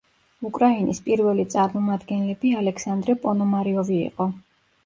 უკრაინის პირველი წარმომადგენლები ალექსანდრე პონომარიოვი იყო.